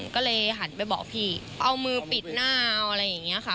ก็เลยหันไปบอกพี่เอามือปิดหน้าเอาอะไรอย่างนี้ค่ะ